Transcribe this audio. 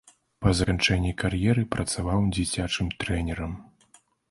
Па заканчэнні кар'еры працаваў дзіцячым трэнерам.